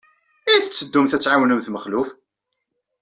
I teddumt ad tɛawnemt Mexluf?